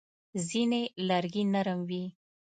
ځینې لرګي نرم وي.